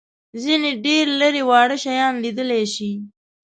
ځینې ډېر لېري واړه شیان لیدلای شي.